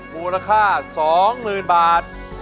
บูรค่า๒หมื่นบาท